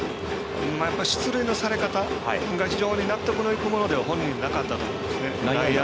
出塁のされ方が非常に納得のいくものでは本人、なかったと思います。